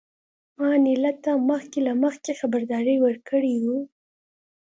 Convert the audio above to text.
ما انیلا ته مخکې له مخکې خبرداری ورکړی و